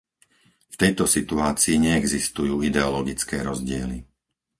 V tejto situácii neexistujú ideologické rozdiely.